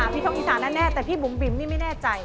พี่โชคอีสานแน่แต่พี่บุ๋มบิ๋มนี่ไม่แน่ใจ